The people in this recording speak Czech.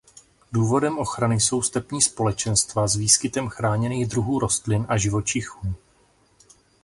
Důvodem ochrany jsou stepní společenstva s výskytem chráněných druhů rostlin a živočichů.